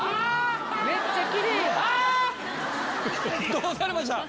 どうされました？